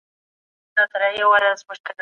صدقه ورکول د انسان شخصیت ته وده ورکوي.